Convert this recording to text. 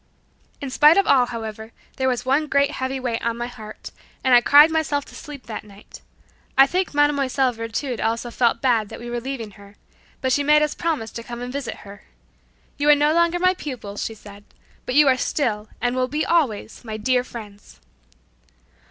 In spite of all, however, there was one great heavy weight on my heart, and I cried myself to sleep that night I think Mlle. Virtud also felt badly that we were leaving her, but she made us promise to come and visit her. "You are no longer my pupils," she said, "but you are still, and will be always, my dear friends."